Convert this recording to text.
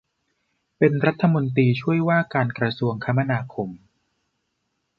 เป็นรัฐมนตรีช่วยว่าการกระทรวงคมนาคม